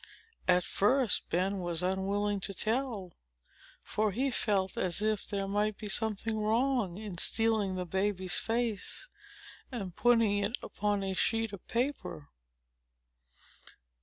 At first, Ben was unwilling to tell; for he felt as if there might be something wrong in stealing the baby's face, and putting it upon a sheet of paper.